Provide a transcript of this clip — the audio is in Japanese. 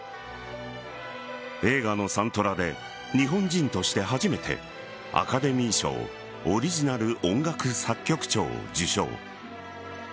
映画のサントラで日本人として初めてアカデミー賞オリジナル音楽作曲賞を受賞。